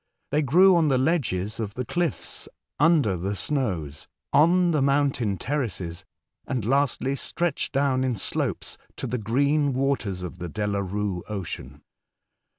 They grew on the ledges of the cliffs under the snows, on the mountain terraces, and lastly stretched down in slopes to the green waters of the Delarue Ocean.